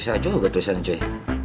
susah juga tulisan cuy